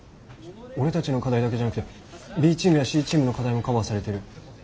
俺たちの課題だけじゃなくてＢチームやＣチームの課題もカバーされてる。